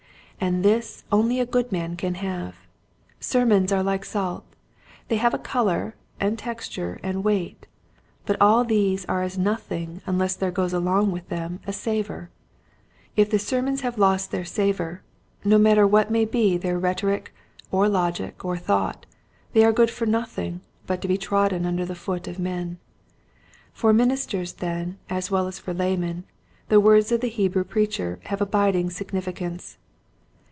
And this only a good man can have. Sermons are like salt ; they have a color and texture and weight, but all these are as nothing unless there goes along with them a savor. If the sermons have lost their savor, no mat ter what may be their rhetoric or logic or thought they are good for nothing but to be trodden under foot of men. For minis ters then as well as for laymen the words of the Hebrew preacher have abiding sig nificance.